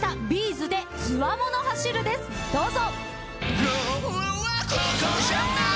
どうぞ！